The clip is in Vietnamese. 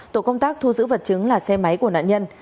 tổ công tác thu giữ vật chứng là xe máy của nạn nhân